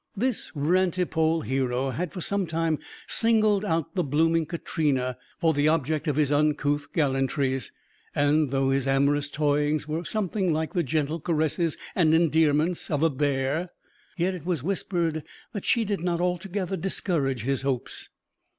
This rantipole hero had for some time singled out the blooming Katrina for the object of his uncouth gallantries, and though his amorous toyings were something like the gentle caresses and endearments of a bear, yet it was whispered that she did not altogether discourage his hopes.